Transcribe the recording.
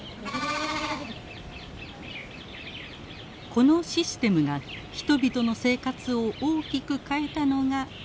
このシステムが人々の生活を大きく変えたのが農村です。